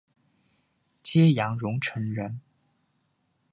揭阳榕城人。